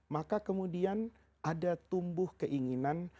maka kemudian ada tumbuh keinginan